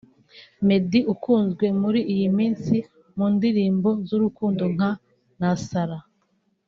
Meddy ukunzwe muri iyi minsi mu ndirimbo z’urukundo nka ‘Nasara’